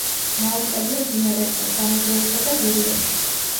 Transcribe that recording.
მაუწყებლობს იმერეთსა, სამეგრელოსა და გურიაში.